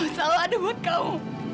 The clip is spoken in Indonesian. aku selalu ada buat kamu